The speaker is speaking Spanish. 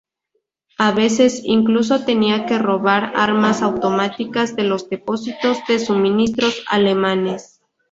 A veces incluso tenían que robar armas automáticas de los depósitos de suministros alemanes.